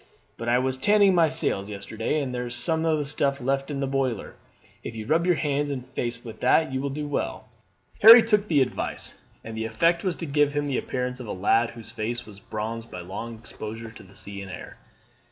But I was tanning my sails yesterday, and there is some of the stuff left in the boiler; if you rub your hands and face with that you will do well." Harry took the advice, and the effect was to give him the appearance of a lad whose face was bronzed by long exposure to the sea and air.